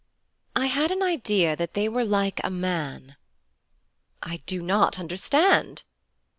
'I had an idea that they were like a man.' 'I do not understand.'